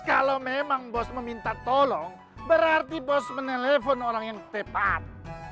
kalau memang bos meminta tolong berarti bos menelpon orang yang tepat